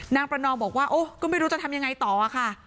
นางประนอมบอกว่าโอ้ก็ไม่รู้จะทำยังไงต่ออะค่ะ